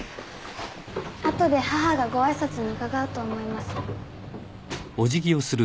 後で母がご挨拶に伺うと思います。